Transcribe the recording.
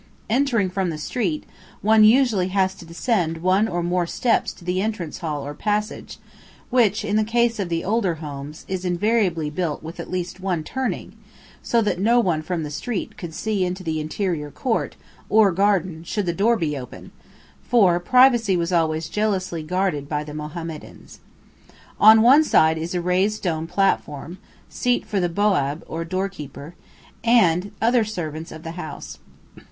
Entering from the street, one usually has to descend one or more steps to the entrance hall or passage, which, in the case of the older houses, is invariably built with at least one turning, so that no one from the street could see into the interior court or garden should the door be open, for privacy was always jealously guarded by the Mohammedans. On one side is a raised stone platform, seat for the "boab" or door keeper, and other servants of the house.